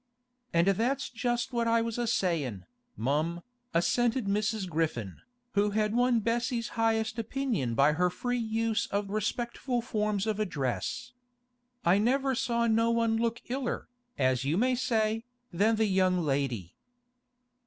'And that's just what I was a sayin', mum,' assented Mrs. Griffin, who had won Bessie's highest opinion by her free use of respectful forms of address. 'I never saw no one look iller, as you may say, than the young lady.